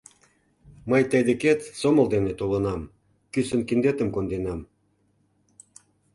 Мый тый декет сомыл дене толынам, кӱсын киндетым конденам.